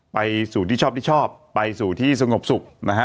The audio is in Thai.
ไปสู่ที่ชอบที่ชอบไปสู่ที่สงบสุขนะฮะ